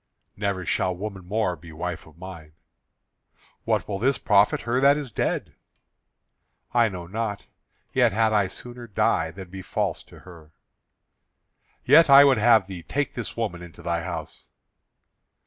"Never shall woman more be wife of mine." "What will this profit her that is dead?" "I know not, yet had I sooner die than be false to her." "Yet I would have thee take this woman into thy house."